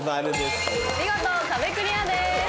見事壁クリアです。